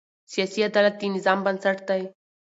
سیاسي عدالت د نظام بنسټ دی